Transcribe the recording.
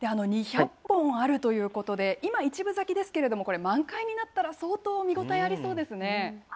２００本あるということで、今、１分咲きですけれども、これ、満開になったら相当見応えありそうですね。